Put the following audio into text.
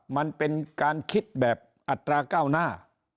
มันเป็นการคิดแบบอัตราเก้าหน้า